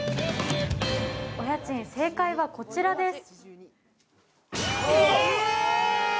お家賃正解はこちらです。